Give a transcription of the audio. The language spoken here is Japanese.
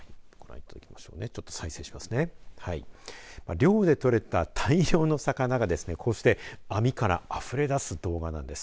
漁で取れた大量の魚がですねこうして網からあふれだす動画なんです。